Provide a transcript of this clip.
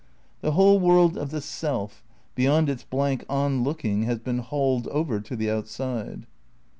The whole world of the self, beyond its blank on looking, has been hauled over to the outside.